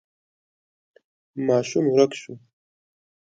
ماشوم ورک شو.